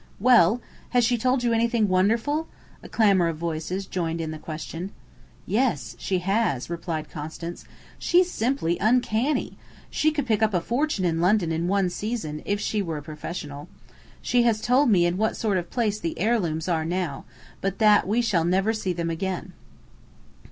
"Well? Has she told you anything wonderful?" A clamour of voices joined in the question. "Yes, she has," replied Constance. "She's simply uncanny! She could pick up a fortune in London in one season, if she were a professional. She has told me in what sort of place the heirlooms are now, but that we shall never see them again."